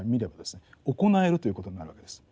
行えるということになるわけです。